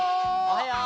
おはよう！